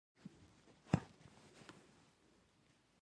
لوگر د افغانستان د جغرافیې بېلګه ده.